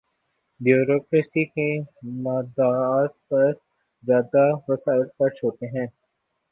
Bureaucracy کی مراعات پر زیادہ وسائل خرچ ہوتے ہیں۔